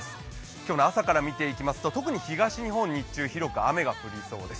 今日の朝から見ていきますと特に東日本、日中広く雨が降りそうです。